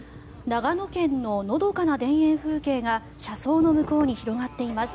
長野県ののどかな田園風景が車窓の向こうに広がっています。